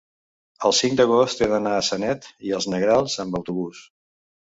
El cinc d'agost he d'anar a Sanet i els Negrals amb autobús.